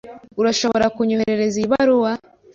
Urashobora kunyoherereza iyi baruwa?